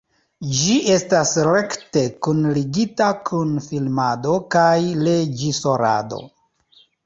Ĝi estas rekte kunligita kun filmado kaj reĝisorado.